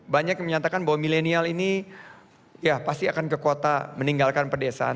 banyak yang menyatakan bahwa milenial ini ya pasti akan ke kota meninggalkan pedesaan